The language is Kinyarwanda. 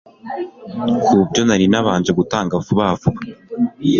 kubyo nari nabanje gutanga vuba vuba